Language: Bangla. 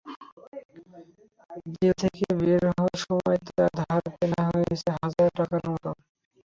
জেল থেকে বের হওয়ার সময় তার ধার-দেনা হয়েছে হাজার টাকার মতো।